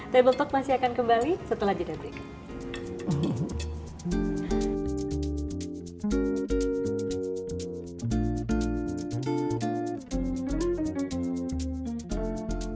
table talk masih akan kembali setelah jadinya break